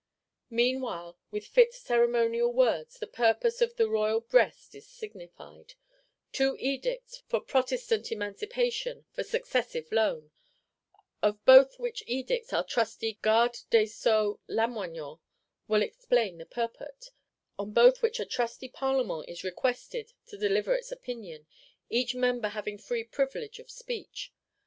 Meanwhile, with fit ceremonial words, the purpose of the royal breast is signified:—Two Edicts, for Protestant Emancipation, for Successive Loan: of both which Edicts our trusty Garde des Sceaux Lamoignon will explain the purport; on both which a trusty Parlement is requested to deliver its opinion, each member having free privilege of speech.